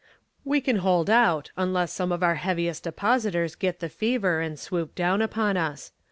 "We can hold out unless some of our heaviest depositors get the fever and swoop down upon us.